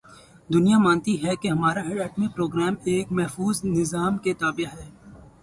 دنیا مانتی ہے کہ ہمارا ایٹمی پروگرام ایک محفوظ نظام کے تابع ہے۔